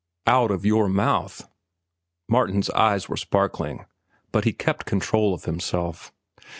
"Out of your mouth." Martin's eyes were sparkling, but he kept control of himself.